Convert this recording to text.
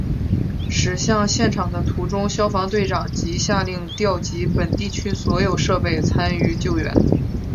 驶向现场的途中消防队长即下令调集本地区所有设备参与救援。